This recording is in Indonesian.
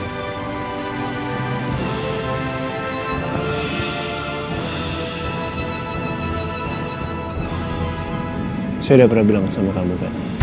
saya sudah pernah bilang sama kamu